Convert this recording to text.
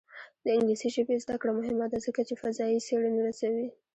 د انګلیسي ژبې زده کړه مهمه ده ځکه چې فضايي څېړنې رسوي.